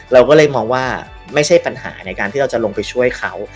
เราก็เลยมองว่าไม่ใช่ปัญหาในการที่เราจะลงไปช่วยเขา